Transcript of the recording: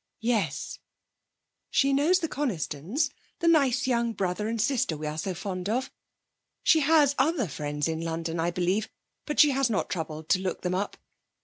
'Yes. "_She knows the Conistons; the nice young brother and sister we are so fond of. She has other friends in London, I believe, but she has not troubled to look them up.